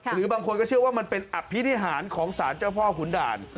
หรือบางคนก็เชื่อว่ามันเป็นอภินิหารของสารเจ้าพ่อขุนด่าน